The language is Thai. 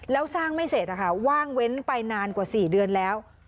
แล้วสร้างไม่เสร็จนะคะว่างเว้นไปนานกว่า๔เดือนแล้ว